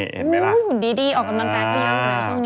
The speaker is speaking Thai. ดีผมออกกำลังจากระยะมีนะซุ่งเนี่ย